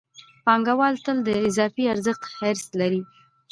پانګوال تل د اضافي ارزښت حرص لري